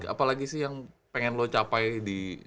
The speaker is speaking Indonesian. apalagi sih yang pengen lo capai di